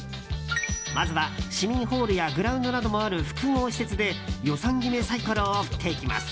まずは市民ホールやグラウンドなどもある複合施設で予算決めサイコロを振っていきます。